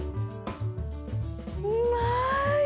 うまーい！